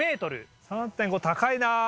３．５高いなぁ。